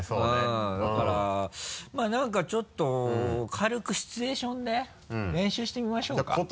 だからまぁ何かちょっと軽くシチュエーションで練習してみましょうか？